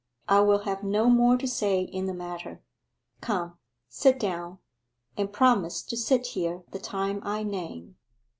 I will have no more to say in the matter. Come, sit down, and promise to sit here the time I name.